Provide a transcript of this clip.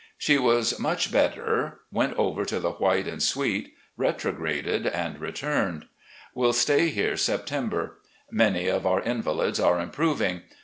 She was much better, went over to the White and Sweet, retrograded, and returned. Will stay here September. Many of our invalids are improving.